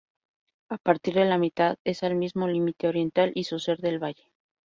A partir de la mitad es al mismo límite oriental y sur del valle.